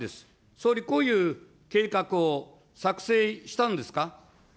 総理、こういう計画を作成したんですか。